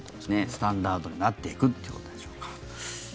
スタンダードになっていくということでしょうか。